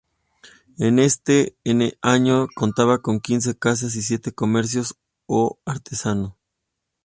En ese año contaba con quince casas y siete comercios o artesanos.